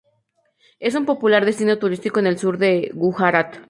Es un popular destino turístico en el sur de Gujarat.